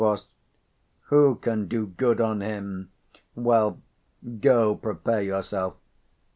_ Who can do good on him? Well, go, prepare yourself.